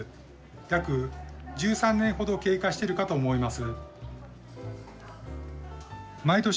約１３年ほど経過してるかと思います。